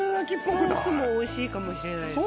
ソースもおいしいかもしれないです